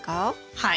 はい。